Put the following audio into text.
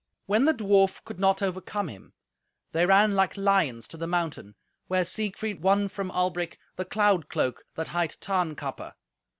When the dwarf could not overcome him, they ran like lions to the mountain, where Siegfried won from Albric the cloud cloak that hight Tarnkappe.